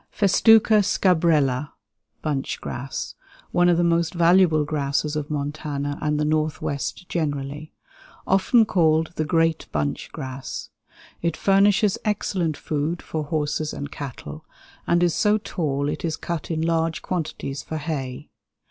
Festuca scabrella (bunch grass). One of the most valuable grasses of Montana and the Northwest generally; often called the "great bunch grass." It furnishes excellent food for horses and cattle, and is so tall it is cut in large quantities for hay.